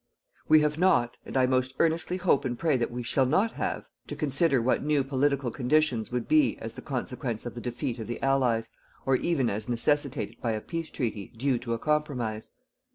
We have not, and I most earnestly hope and pray that we shall not have, to consider what new political conditions would be as the consequence of the defeat of the Allies, or even as necessitated by a peace treaty due to a compromise.